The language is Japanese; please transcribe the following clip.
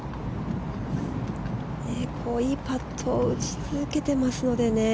いいパットを打ち続けていますのでね。